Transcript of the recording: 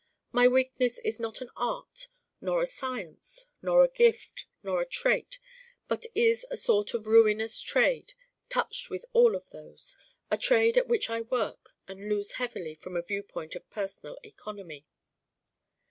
My Weakness is not an art nor a science nor a gift nor a trait but is a sort of ruinous trade touched with all of those, a trade at which I work and lose heavily from a viewpoint of personal economy.